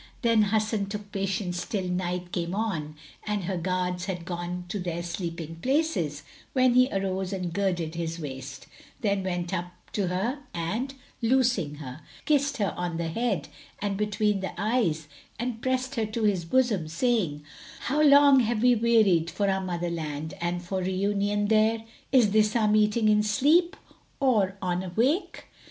Then Hasan took patience till night came on and her guards had gone to their sleeping places, when he arose and girded his waist; then went up to her and, loosing her kissed her on the head and between the eyes and pressed her to his bosom, saying, "How long have we wearied for our mother land and for reunion there! Is this our meeting in sleep, or on wake?"